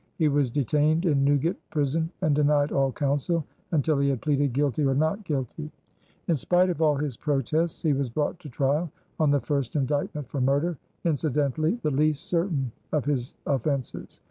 He was detained in Newgate Prison and denied all counsel until he had pleaded "guilty" or "not guilty." In spite of all his protests he was brought to trial on the first indictment for murder, incidentally the least certain of his offenses.